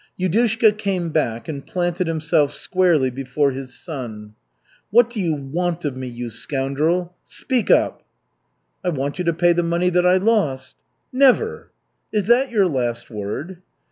Yudushka came back and planted himself squarely before his son. "What do you want of me, you scoundrel? Speak up!" "I want you to pay the money that I lost." "Never!" "Is that your last word?"